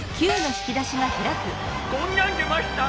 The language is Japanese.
こんなん出ました。